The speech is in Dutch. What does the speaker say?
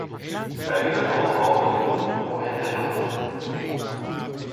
Wij willen al het mogelijke doen om hen te helpen.